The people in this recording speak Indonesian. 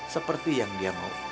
seperti yang dia mau